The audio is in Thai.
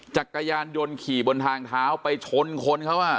จากกายารยนต์ขี่บนทางท้าวไปชนคน